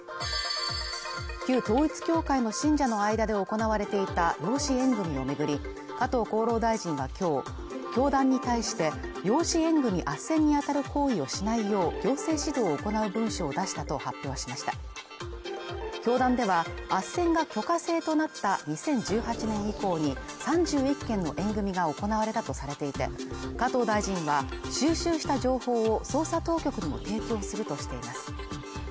旧統一教会の信者の間で行われていた養子縁組を巡り加藤厚労大臣はきょう教団に対して養子縁組あっせんに当たる行為をしないよう行政指導を行う文書を出したと発表しました教団ではあっせんが許可制となった２０１８年以降に３１件の縁組が行われたとされていた加藤大臣は収集した情報を捜査当局にも提供するとしています